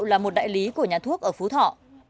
giới thiệu là một đại lý của nhà thuốc ở phú thọ